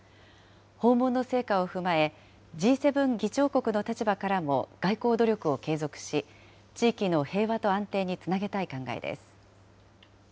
訪問の成果を踏まえ、Ｇ７議長国の立場からも、外交努力を継続し、地域の平和と安定につなげたい考えです。